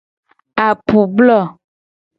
Apublo.